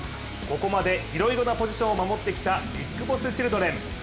ここまでいろいろなポジションを守ってきたビッグボスチルドレン。